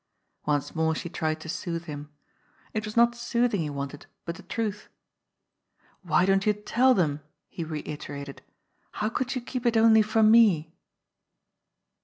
Once more she tried to soothe him. It was not soothing he wanted but the truth. "Why didn't you tell them?" he reiterated. "How could you keep it only for me